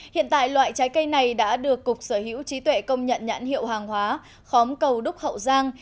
hiện tại loại trái cây này đã được cục sở hữu trí tuệ công nhận nhãn hiệu hàng hóa khóm cầu đúc hậu giang